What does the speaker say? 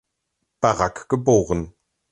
Barack geboren.